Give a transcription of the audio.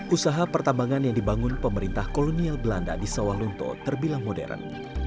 usaha pertambangan yang dibangun pemerintah kolonial belanda di sawah lunto terbilang modern